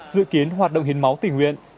dự kiến hoạt động hiến máu tình nguyện